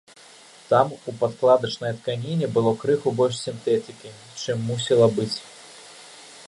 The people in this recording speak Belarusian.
Там у падкладачнай тканіне было крыху больш сінтэтыкі, чым мусіла быць.